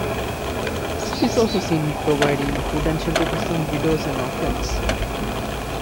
She is also seen providing food and shelter to some widows and orphans.